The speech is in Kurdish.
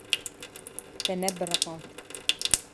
Te nebiriqand.